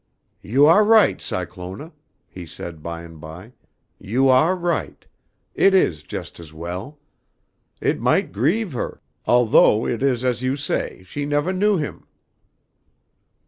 "You ah right, Cyclona," he said by and by. "You ah right. It is just as well. It might grieve her, altho' it is as you say, she nevah knew him."